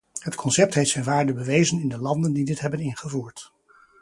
Het concept heeft zijn waarde bewezen in de landen die dit hebben ingevoerd.